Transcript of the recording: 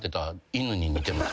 ペルに似てます。